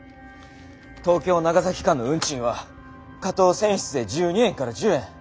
東京長崎間の運賃は下等船室で１２円から１０円